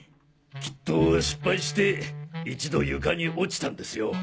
きっと失敗して一度床に落ちたんですよ。